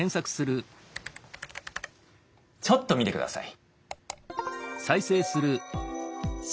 ちょっと見てください。